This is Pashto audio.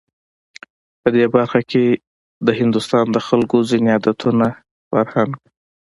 په دې برخه کې د هندوستان د خلکو ځینو عادتونو، فرهنک